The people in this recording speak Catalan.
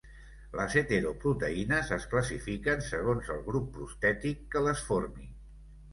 Les heteroproteïnes es classifiquen segons el grup prostètic que les formi.